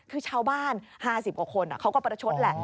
คือชาวบ้าน๕๐กว่าคนเขาก็ประชดแหละ